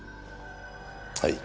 はい。